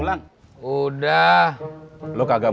terima kasih banyak pak daniel